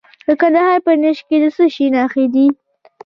د کندهار په نیش کې د څه شي نښې دي؟